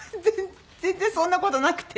全然そんな事なくて。